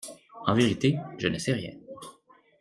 En vérité, je ne sais rien.